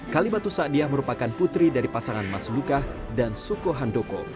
kalimatus saadiah merupakan putri dari pasangan mas luka dan suko handoko